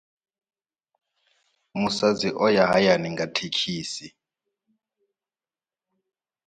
Musadzi o ya hayani nga thekhisi.